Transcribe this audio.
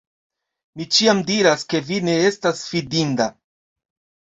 Mi ĉiam diras, ke vi ne estas fidinda!